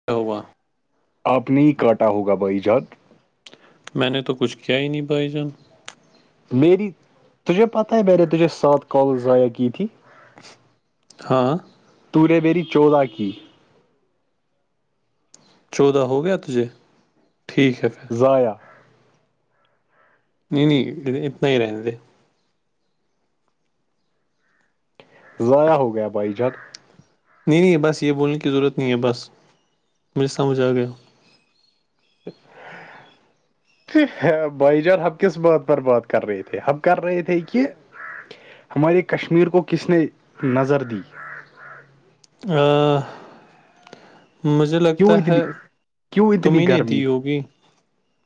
[unintelligible] آپ نے ہی کاٹا ہوگا بھائیجاد میں نے تو کچھ کیا ہی نہیں بھائی جان میری تجھے پتہ ہے میں نے تجھے سات کال ضائع کی تھی ہاں تورے میری چودہ کی چودہ ہو گیا تھے ٹھیک ہے پھر ضایا نہیں نہیں اتنا ہی رہنے تھے ضائع ہو گیا بھائی جان نہیں نہیں بس یہ بولنے کی ضرورت نہیں ہے بس مجھے سمجھ آ گیا [inaudible] بھائی جان ہمب کس بات پر بات کر رہے تھے ہم کر رہے تھے کہ ہماری کشمیر کو کس نے نظر دی آآآ مجھے کیوں لگتا اتنی ہے کیوں تمیں اتنی نے گرمی دی ہے. ہوگی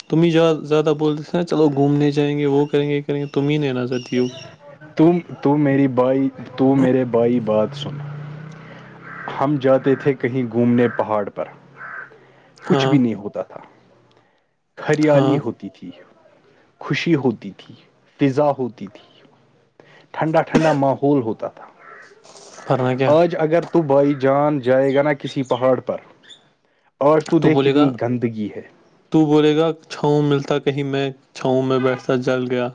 تم ہی زیادہ بولتے تھے نا چلو گھومنے جائیں گے وہ کریں گے یہ کریں گے تم ہی نے نظر دی ہو تم تو میری بھائی تو میرے بائی بات سن ہم جاتے تھے کہیں گھومنے پہاڑ پر کچھ ہاں بھی نہیں ہوتا تھا ہاں ہریالی ہوتی تھی خوشی ہوتی تھی فضا ہوتی تھی ٹھنڈا ٹھنڈا ماحول ہوتا تھا ورنہ کیا آج اگر تو تو بائی جان جائے گا نا کسی پہاڑ پر اور تو دیکھ بولے گا کتنی گندگی ہے تو بولے گا چھاؤں ملتا کہیں میں چھاؤں میں بیٹھتا جل گیا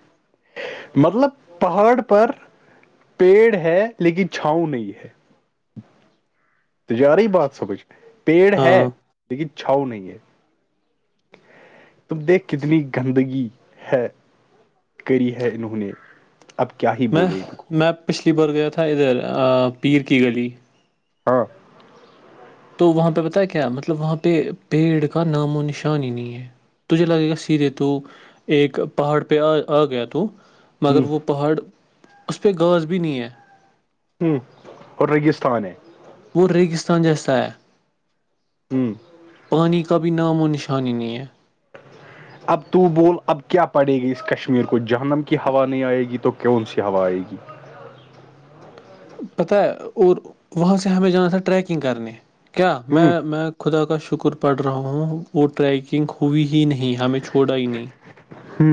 [inaudible] مطلب پہاڑ پر پیڑ ہے لیکن چھاؤں نہیں ہے ت جیاریی بات سمجھ پیڑ ہے ہاں لیکن چھاؤ نہیں ہے تم دیکھ کتنی گندگی ہے کری ہے انہوں نے اب کیا ہی میں بولے ان کو میں پچھلی بار گیا تھا ادھر پیر کی گلی ہاں تو وہاں پہ پتا ہے کیا مطلب وہاں پہ پیڑ کا نام و نشان ہی نہیں ہے تجھے لگے گا سیدھے تو ایک پہاڑ پہ آ آ گیا تو ہ مگر وہ پہاڑ اس پہ گاس بھی نہیں ہے ہمم اور رگستستان ہے وہ ریگستان جیسا ہے ہمم پانی کا بھی نام و نشانی نہیں ہے اب تو بول اب کیا پڑے گی اس کشمیر کو جہنم کی ہوا نہیں آئے گی تو کون سی ہوا آئے گی پتہ ہے اور وہاں سے ہمیں جانا تھا ٹریکنگ کرنے کیا میں ہ میں خدا کا شکر پڑھ رہا ہوں وہ ٹریک گ ہوئی ہی نہیں ہمیں چھوڑا ہی نہیں ہ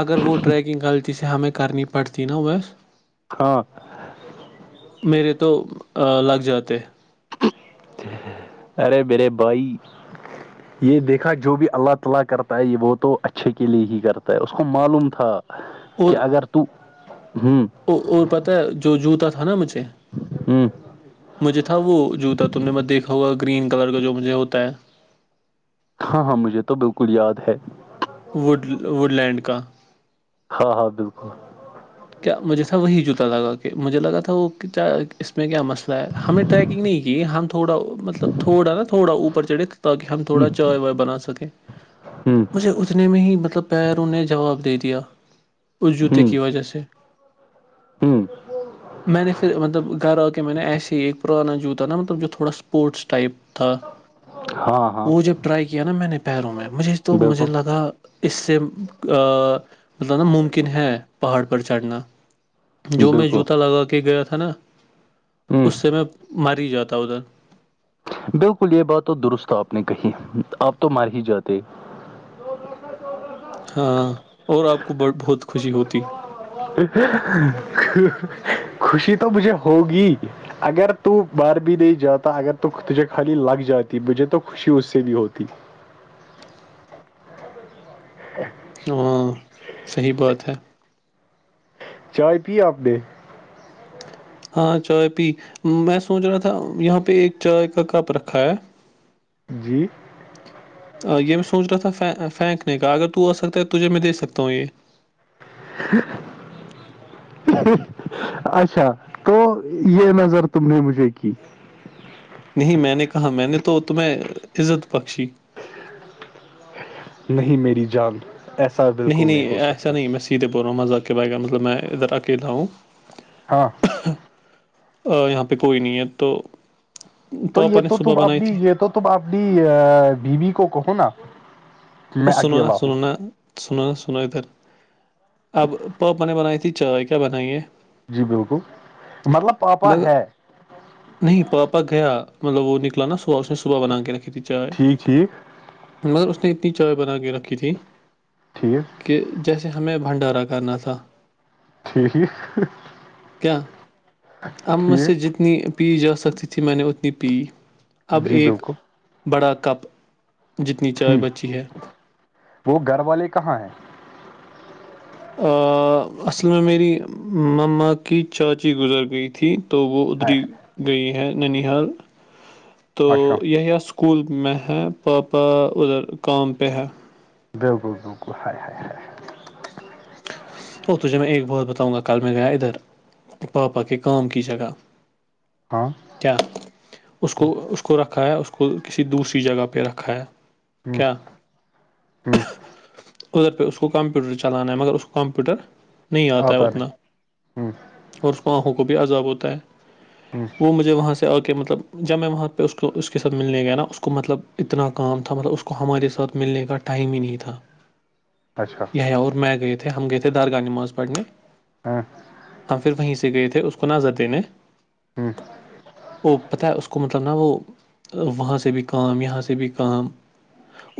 اگر وہ ٹریکنگ ہلچ سے ہمیں کرنی پڑتی نا بس ہاں میرے تو لگ جاتے ارے میرے بھائی یہ دیکھا جو بھی اللہ تعالی کرتا ہے یہ وہ تو اچھے کے لیے ہی کرتا ہے اس کو معلوم تھا اور کہہ اگر تو ہمم اور پتا ہے جو جوتا تھا نا مجھے ہمم مجھے تھا وہ جوتا تم نے میں دیکھا ہوگا گرین کلر کا جو مجھے ہوتا ہے ہاں ہاں مجھے تو بالکل یاد ہے وڈ وڈ لینڈ کا ہاں ہاں بالکل کیا مجھے تھا وہی جوتا لگا کہ مجھے لگا تھا وہ کیا اس میں کیا مسئلہ ہے ہمیں ٹریکنگ نہیں کی ہم تھوڑا مطلب تھوڑا نا تھوڑا اوپ چڑھے تاکہ ہم تھوڑا چائے وائے بنا سکیں ہ ہ مجھے اتنے میں ہی مطلب پیروں نے جواب دے دیا اس جوتے کی وجہ سے ہوں میں نے پھر مطلب گھر آ کے میں نے ایسے ہی ایک پرانا جوتا نا مطلب جو تھوڑا سپوورٹس ٹائپ تھا ہاں ہاں وہ جب ٹرائی کیا نا میں نے پیروں میں مجھے تو مجھے بالکل لگا اس سے مطلب نا ممکن ہے پہاڑ پر چڑھنا جو میں بالکل جوتا لگا کے گیا تھا نا ہ اس سے میں مر جاتا ادھر بالکل یہ بات تو درست آپ نے کہی آپ تو مار ہی جاتے ہاں اور آپ کو ب بہت خوشی ہوتی خوشی تو مجھے ہوگی اگر تو بارب د جاتا اگر تو تجھے خالی لگ جاتی مجھے تو خشی اس سے بھی ہوتی [unintelligible] ہاں صحیح بات ہے چائے پی آپ ڈے ہاں چائے پی میں سوچ رہا تھا یہاں پہ ایک چائے کا کپ رکھا ہے [unintelligible] یہ میں سوچ رہا تھا پھینکنے کا اگر تو آ سکتا ہے تجھے میں دے سکتا ہوں یہ ہ [unintelligible] اچھا تو یہ نظر تم نے مجھے کی نہیں میں نے کہا میں نے تو تمہیں عزت بخشی نہیں میری جان ایسا بالکل نہیں ہو سکتا سیتے بول رہا ہوں مزہق کے بائے گ مطلب میں ادھر اکیلا ہوں [unintelligible] یہاں پہ کوئی نہیں ہے تو تو یہ پاپا نے تو صبح تم بنائی اپنی تھی یہ تو تم اپنی بیوی کو کہو نا کہ اور میں سلونا اکیلا ہوں سلونا سناو سناو ادھر اب پاپ نے بنائی تھی چائے کیا بنائی ہے جی بالکل مطلب پاپا مگر ہے نہیں پاپا گیا مطلب وہ نکلا نا صبح اس نے صبح بنان کی ن کھیتی چائے ٹھیک ٹھیک مگر اس نے اتنی چائے بنا کے رکھی تھی [unintelligible] کہ جیسے ہمیں بھنڈارا کرنا تھا ٹھیک ٹھیک [unintelligible] ٹھیک اتنی پی جا سکتی تھی میں نے اتنی پی اب جی ایک بالکل بڑا کپ جتنی چائے ہ بچی ہے وہ گھر والے کہاں ہیں اصل میں میری مما کی چاچی گزر گئی تھی تو وہ ہائے ادھری ہائے، گئی ہیں ننال تو اچھا یہ اسکول میں ہے پاپا ادھر کام پہ ہے بیو گ بو گو ہائے ہائے ہائے او تجھے میں ایک بات بتاؤں گا کل میں گیا ادھر پاپا کے کام کی جگہ ہاں کیا اس کو اس کو اس کو رکھا ہے اس کو کسی دوسری جگہ پہ رکھا ہے کیا [unintelligible] [inaudible] آتا نہیں ہ اور خواہوں کو بھی عذاب ہوتا ہے ہ وہ مجھے وہاں سے آ کے مطلب جب میں وہاں پہ اس کو ا اس کے ساتھ ملنے گیا نا اس کو مطلب اتنا کام تھا مطلب اس کو ہمارے ساتھ ملنے کا [unintelligible] اچھا اور میں گئے تھے ہم گئے تھے درگاہ نماز پڑنے ہمم ہم پھر وہیں سے گئے تھے اس کو نزر دینے ہ وہ پتہ ہے اس کو مطلب نا وہ وہاں سے سے بھی کام یہاں س سے بھی کا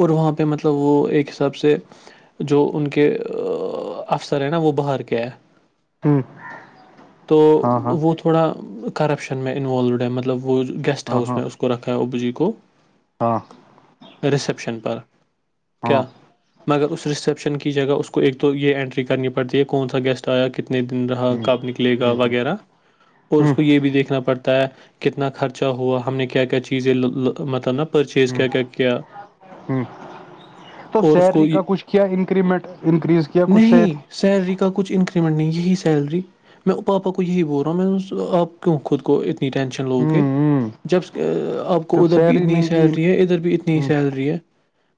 اور وہاں پہ مطلب وہ ایک حساب سے جو ان کے افسر ہے نا وہ باہر کے ہے ہوں تو ہاں ہاں وہ تو تھوڑا کرپشن میں انوالوڈ ہے مطلب وہ گیسٹ ہاں ہاؤس ہاں میں اس کو رکھا ہے اوبو جی کو ہاں ریسپشن پر کیا ہاں مگر اس ریسپشن کی جگہ اس کو ایک تو تو یہ انٹری کرنی پڑتی ہے کون سا گیسٹ آیا کتنا نے دن رہا کب نکلے گا وغیرہ اور ہ اس کو یہ بھی دیکھنا پڑتا ہے کتنا خرچہ ہوا ہم نے کیا کیا چیزیں مطلب پرچیز کیا کیا کیا ہ تو اور اس کو سیلری یہ کا کچھ کیا انکریمنٹ انکریز کیا کچھ سیر نہیں سیلری کا کچھ انکریمنٹ نہیں یہی سیلری میں پاپا کو یہی بول رہا ہوں میں آپ کیوں خود کو اتنی ٹینشن ہ لو گے ہ جب آپ کو جب ادھر بھی سیلری اتنی ہی نہیں کی سیلری ہے ادھر بھی اتنی ہی ہ سیلری ہے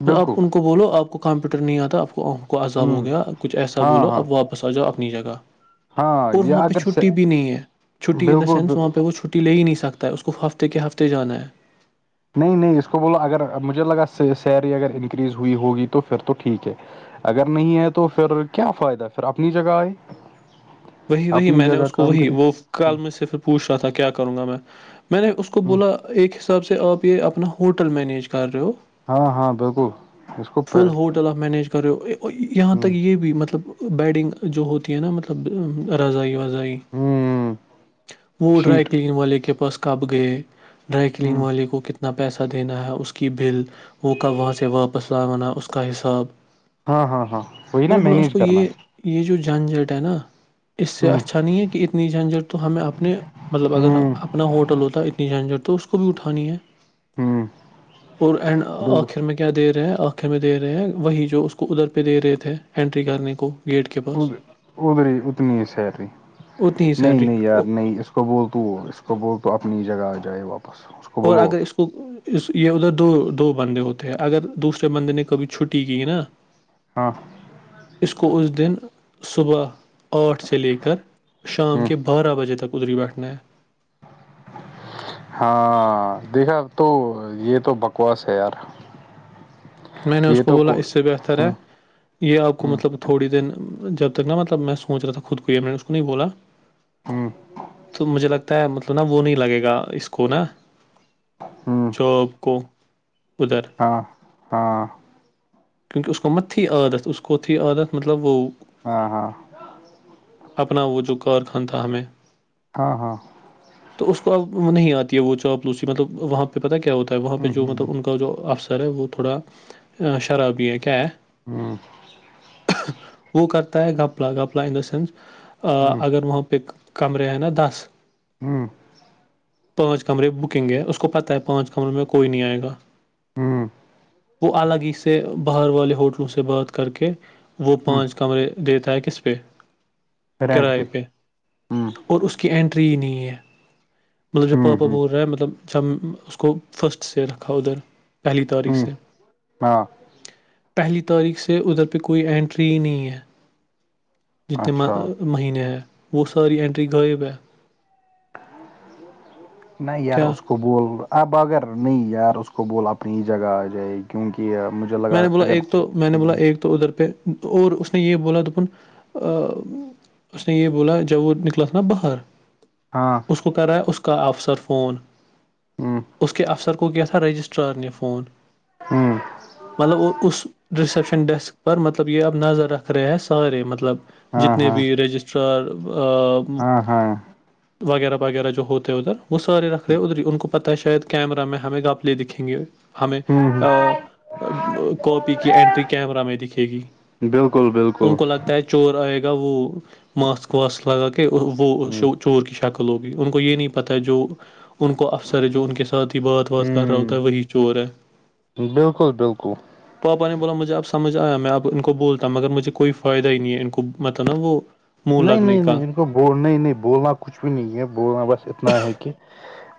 بالکل آپ ان کو بولو آپ آ کو کمپیوٹر نہیں آتا آپ کو کو عزاب ہ ہو گیا کچھ ایسا ہاں بولو ہاں اپ واپس آ جاؤ اپنی جگہ ہاں اور یہ وہاں پہ اگر چھٹی بھی نہیں ہے چھٹی ان دا سینس بالکل وہاں پہ وہ چھٹی ٹی لے ہی نہیں سکتا ہے اس کو ہفتے کے ہفتے جانا ہے نہیں نہیں اس کو بولو اگر مجھے لگا سیلری اگر انکریز ہوئی ہوگی تو پھر تو ٹھیک ہے اگر نہیں ہے تو پھر کیا فائدہ پھر اپنی جگہ آئے وہی وہی اپنی میں نے جگہ اس کو کام وہی کرے وہ کل مجھ سے پھر پوچھ رہا تھا کیا کروں گا میں میں نے اس کو بولا ایک حساب سے آپ یہ اپنا ہوٹل مینیج کر رہے ہو ہاں ہاں بالکل اس کو فل ہوٹل آف مینیج کر رہے ہو یہاں تک ہ یہ بھی مطلب بیڈنگ جو ہوتی ہے نا مطلب رضائی وغذائی ہ وہ ڈرائی شیٹ کلین والے کے پاس کب گئے ڈرائی ہ کلین والے کو کتنا پیسہ ا دینا ہے اس کی بل وہ کب وہاں سے واپس لوانا ہے اس کا حساب ہاں ہاں ہاں وہی میں نا نے بولا اس مینج کو کرنا یہ یہ جو جھنجھٹ ہے نا اس سے ہوں اچھا نہیں ہے کہ اتنی جھجھٹ تو ہمیں اپنے مطلب اگر ہوں اپنا ہوٹل ہوتا ہے اتنی جھجھٹ تو اس کو بھی اٹھانی ہے ہوں اور اینڈ آخر بالکل میں کیا دے رہے ہیں آنکھیں میں دے رہے ہیں وہی جو اس کو ادھر پہ دے رہے تھے اینٹری کرنے کو گیٹ کے پاس ادری اتنی سیلری اتنی ہی نہیں سیلری نہیں یار اور نہیں اس اس کو بول تو اس کو بول تو اپنی جگہ آ جائے واپس اس کو اور بولو اگر اس تو اس یہ ادھر دو دو بندے ہوتے ہیں اگر دوسرے بندے نے کبھی چھٹی کی نا ہاں اس کو اس دن صبح اٹھ سے لے کر شام ہ کے بارہ بجے تک ادری بیٹھنا ہے [inaudible] ہاں دیکھا اب تو یہ تو بکواس ہے یار میں نے اس یہ کو تو بولا اس سے بہتر ہے ہ یہ آپ کو ہ مطلب تھوڑی دن جب تک نا مطلب میں سوچ رہا تھا خود کوئی میں نے اس کو نہیں بولا ہ تو مجھے لگتا ہے مطلب نا وہ نہیں لگے گا اس کو نا ہاں ٹوب کو ادھر ہاں ہاں کیونکہ اس کو مت تھی عادت اس کو تھی عادت مطلب وہ ہاں ہاں اپنا وہ جو کارخان تھا ہمیں ہاں ہاں تو اس کو اب نہیں آتی ہے وہ چاپ لوسی مطلب وہاں پہ پتاہ کیا ہوتا وہاں پہ ہ جو مطلب ان کا جو افسر ہے وہ تھوڑا شرابی ہے کیا ہے ھمم وہ کرتا ہے گپلہ گپلہ ان دا سینس اگر وہاں پہ کمرے ہیں نا دس ہ پانچ کمرے بکنگ ہے اس کو پتہ ہے پانچ کمرے میں کوئی نہیں آئے گا ہ وہ الگ ہی سے باہر والے ہوٹلوں سے بات کر کے وہ ہ پانچ کمرے دیتا ہے کس پہ کراائے پہ ہ اور اس کی اٹری ہی نہیں ہے مطلب جب ہ پاپا ہ بول رہے ہیں مطلب جب اس کو فرسٹ سے رکھا ادھر پہلی تاریخ ہ سے ہاں پہلی تاریخ سے ادھر پہ کوئی اینٹری ہی نہیں ہے جتنے اچھا مہینے ہیں وہ ساری انٹری غائب ہے نہیں یار کیا اس کو بول اب اگر نہیں یار اس کو بول اپنی ہی جگہ آ جائے گی کیونکہ مجھے میں لگا نے بولا اگر ایک تو میں نے بولا تو ادھر پہ اور اس نے یہ بولا دپن اس نے یہ بولا جب وہ نکلا تھا نا باہر ہاں کو کر رہا ہے اس کا افسر فون ہ اس کے افسر کو کیا تھا تھاا رجسٹرن یہ فون ھمم مطلب اس رسپشن ڈیسک پر مطلب یہ اب نظر رکھ رہے ہیں سارے مطلب ہاں جتنے ہاں بھی رجسٹرار ہاں ہاں وغیرہ وغیرہ جو ہوتے ہیں ادھر وہ سارے رکھ رہے ہیں ادھر ہی ان کو پتہ ہے شاید کیمرہ میں ہمیں گاپلے دکھیں گے ہمیں ہ کاپی کی اینٹری کیمرا میں دکھے گی بالکل بالکل ان کو لگتا ہے چور آئے گا وہ ماسک واسک لگا کے وہ ہ چور کی شک ہووگی ان کو یہ نہیں پتا جو ان کو افسر ہے جو ان کے ساتھ ساتھ ہی بات وات کر رہا ہ ہوتا ہے وہی چور ہے بالکل بالکل پاپا نے بولا مجھے اب سمجھ آیا میں ا ان کو بولتا مگر مجھے کوئی فائد ہی نہیں ہے ان کو مط نا وہ منہ نہیں لگنے نہیں کا نہیں ان کو نہیں نہیں بولنا کچھ بھی نہیں ہے بولنا بس اتنا ہے کہ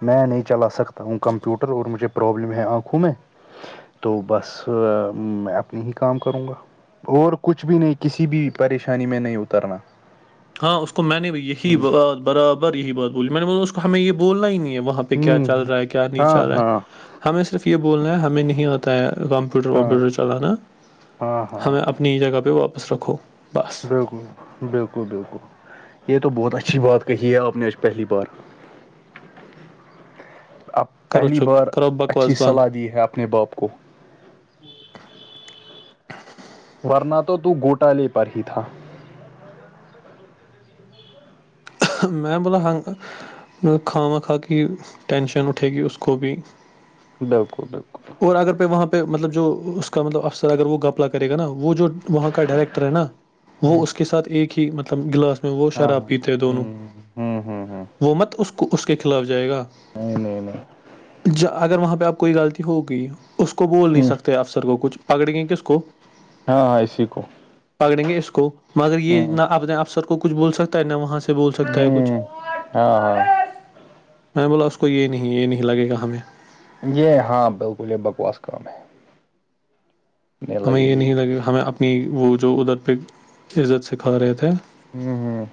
میں نہیں چلا سکتا ہوں کمپیوٹر اور مجھے پرابلم ہے آنکھوں میں تو بس میں اپنی ہی کام کروں گا اور کچھ بھی نہیں کسی بھی پریشانی میں نہیں اترنا ہاں اس کو میں نے یہی ہ بات برابر یہی بات بولی میں نے بو اس کو ہمیں یہ بولنا ہی نہیں ہے وہاں کیا ہوں چل رہا کیا نہیں ہاں چل رہا ہاں ہے ہمیں صرف یہ بولنا ہے ہمیں نہیں آتا ہے کمپیوٹر ہاں ومپیوٹر چلانا ہاں ہاں ہمیں اپنی ہی جگہ پہ واپس رکھو بس بالکل بالکل بالکل یہ تو بہت اچھی بات کہی ہے آپ نے آج پہلی بار اب کرو پہلی چپ بار کرو اچھی بکواس بند صلاح دی ہے اپنے باپ کو ورنہ تو تو گوٹالے پر ہی تھا میں بولا ہنگ کھا [unintelligible] بالکل بالکل اور اگر پہ وہاں پہ مطلب جو اس کا مطلب افسر اگر وہ گپلا کرے گا نا وہ جو وہاں کا ڈائریکٹر ہے نا وہ اس کے ساتھ ایک ہی مطلب گلاس میں وہ ہاں شراب ہاں پیتے ہیں دونوں ہ ہ ہ ہ حکومت اس کو اس کے خلاف جائے گا نہیں نہیں نہیں ج اگر وہاں پہ آپ کوئی غلطی ہوگی اس کو بول نہیں سکتے افسر کو کچھ پکڑ گئ کس کو [unintelligible] ہاں اسی کو پکڑیں گے اس کو مگر ہ یہ نہ اپنے افسر کو کچھ بول سکتا ہے نہ وہاں سے بول کچھ ہ ہاں ہاں میں بولا اس کو یہ نہیں یہ نہیں لگے گا ہمیں یہ ہاں بالکل یہ بکواس کام ہے نہیں ہمیں لگے یہ گی نہیں لگا ہمیں اپنی وہ جو ادر پہ عزت سکھھا رہے تھے ھمم ھمم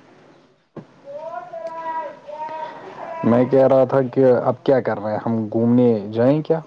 میں کہہ رہا تھا کہ اب کیا کر رہے ہیں ہم گھومنے جائیں کیا